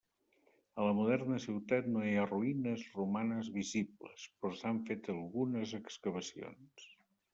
A la moderna ciutat no hi ha ruïnes romanes visibles però s'han fet algunes excavacions.